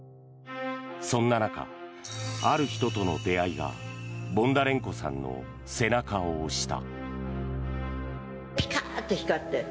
そんな中、ある人との出会いがボンダレンコさんの背中を押した。